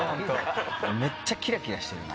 めっちゃキラキラしてんな。